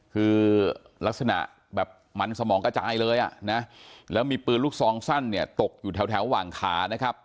คือลักษณะแบบมันสมองกระจายเลยอ่ะนะแล้วมีปืนลูกซองสั้นเนี่ยตกอยู่แถวหว่างขานะครับ